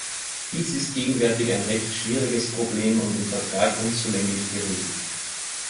Dies ist gegenwärtig ein recht schwieriges Problem und im Vertrag unzulänglich geregelt.